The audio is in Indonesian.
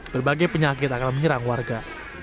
berbagai penyakit akan menyerang warga